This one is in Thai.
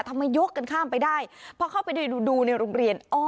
ทำให้ยกกันข้ามไปได้เพราะเข้าไปดูดูในโรงเรียน